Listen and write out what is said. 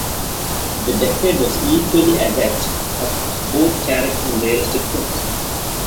The decade was equally adept at both character and realistic films.